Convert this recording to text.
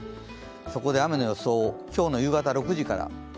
そこで雨の予想、今日の夕方６時から。